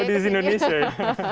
oh di indonesia ya